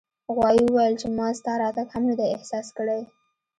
غوایي وویل چې ما ستا راتګ هم نه دی احساس کړی.